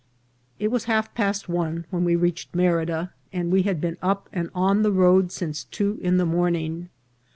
It was half past one when we reached Merida, and we had been up and on the road since two in the morn ing.